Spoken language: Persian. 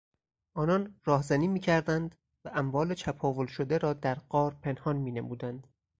آنان راهزنی میکردند و اموال چپاول شده را در غار پنهان مینمودند.